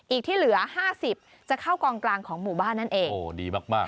อีกที่เหลือ๕๐จะเข้ากองกลางของหมู่บ้านนั่นเอง